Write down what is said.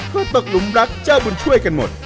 ก็ตกหลุมรักเจ้าบุญช่วยกันหมด